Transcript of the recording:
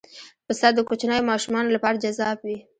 پسه د کوچنیو ماشومانو لپاره جذاب وي.